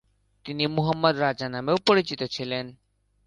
তিনি মুহম্মদ রাজা নামেও পরিচিত ছিলেন।